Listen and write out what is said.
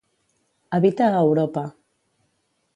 Habita a Europa.